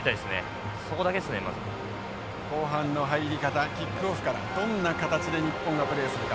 後半の入り方キックオフからどんな形で日本がプレーするか。